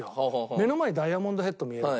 目の前にダイヤモンドヘッド見えるわけ。